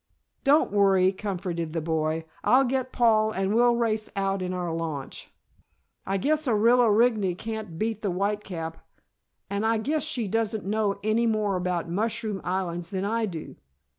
"Don't worry," comforted the boy. "I'll get Paul and we'll race out in our launch. I guess Orilla Rigney can't beat the Whitecap and I guess she doesn't know any more about mushroom islands than I do.